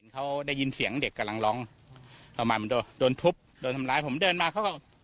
เขาได้ยินเสียงเด็กกำลังร้องประมาณมันโดนโดนทุบโดนทำร้ายผมเดินมาเขาก็